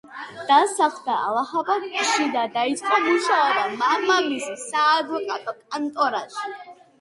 დასახლდა ალაჰაბადში და დაიწყო მუშაობა მამამისის საადვოკატო კანტორაში.